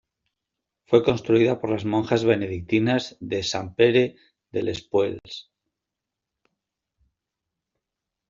Fue construida por las monjas benedictinas de Sant Pere de les Puelles.